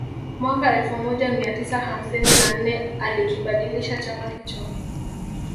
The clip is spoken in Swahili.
Mwaka elfu moja mia tisa hamsini na nne alikibadilisha chama hicho